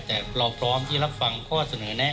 แต่เราพร้อมที่รับฟังข้อเสนอแนะ